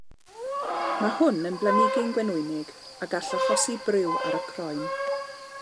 Mae hwn yn blanhigyn gwenwynig a gall achosi briw ar y croen.